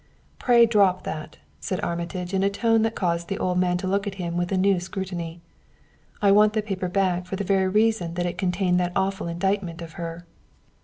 "Pray drop that," said Armitage in a tone that caused the old man to look at him with a new scrutiny. "I want the paper back for the very reason that it contains that awful indictment of her.